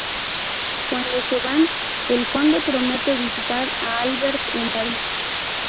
Cuando se van, el Conde promete visitar a Albert en París.